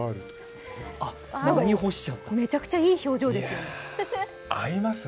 めちゃくちゃいい表情ですね。